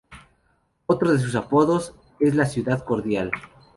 Otro de sus apodos es La ciudad Cordial.